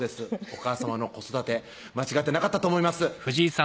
お母さまの子育て間違ってなかったと思います